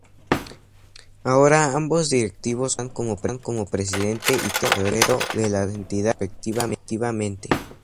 Ahora ambos directivos continúan como Presidente y Tesorero de la entidad respectivamente.